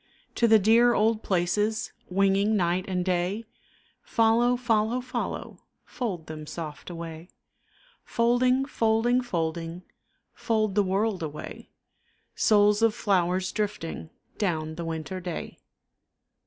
To the dear old places Winging night and day, Follow, follow, follow, Fold them soft away; Folding, folding, folding, Fold the world away, Souls of flowers drifting Down the winter day.